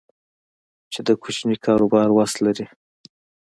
چې د کوچني کاروبار وس لري